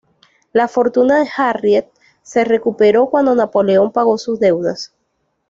La fortuna de Harriet se recuperó cuando Napoleón pagó sus deudas.